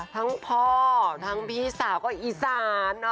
ทั้งพ่อทั้งพี่สาวก็อีสาน